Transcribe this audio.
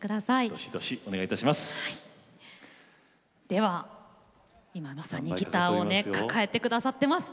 では今まさにギターをね抱えて下さってます。